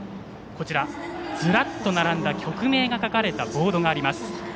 こちら、ずらっと並んだ曲名が書かれたボードがあります。